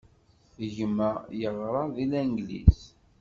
Gma yeɣra deg Langliz.